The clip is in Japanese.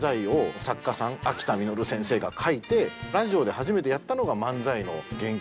秋田實先生が書いてラジオで初めてやったのが漫才の原型。